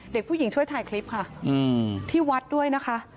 เด็กผู้หญิงช่วยถ่ายคลิปค่ะที่วัดด้วยนะคะ